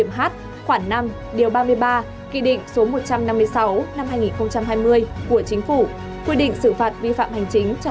kỳ định số một trăm năm mươi sáu năm hai nghìn hai mươi của chính phủ quy định xử phạt vi phạm hành chính trong lĩnh vực chứng khoán và thị trường chứng khoán